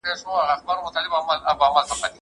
زه مينه نه څرګندوم؟!